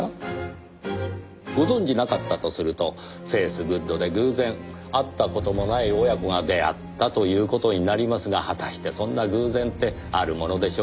ご存じなかったとするとフェイスグッドで偶然会った事もない親子が出会ったという事になりますが果たしてそんな偶然ってあるものでしょうかねえ？